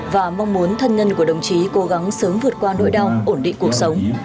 và mong muốn thân nhân của đồng chí cố gắng sớm vượt qua nỗi đau ổn định cuộc sống